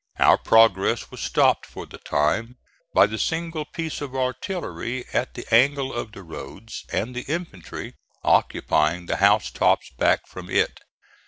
Our progress was stopped for the time by the single piece of artillery at the angle of the roads and the infantry occupying the house tops back from it.